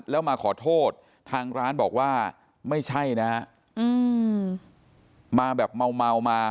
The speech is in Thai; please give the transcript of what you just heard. แล้วมาขอโทษทางร้านบอกว่าไม่ใช่นะฮะมาแบบเมาเมามา